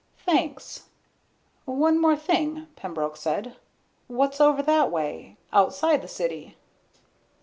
"Thanks. One more thing," Pembroke said. "What's over that way outside the city?"